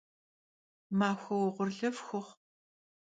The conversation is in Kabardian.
Maxue vuğurlı fxuxhu!